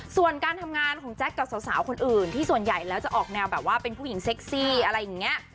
ส่วนการทำงานของแจ๊คกับสาวคนอื่นที่ส่วนใหญ่แล้วจะออกแนวแบบว่าเป็นผู้หญิงเซ็กซี่อะไรอย่างนี้